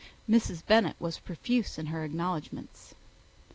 Mrs. Bennet was profuse in her acknowledgments.